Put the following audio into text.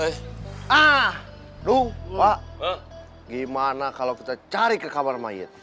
ah duh pak gimana kalau kita cari ke kamar mayat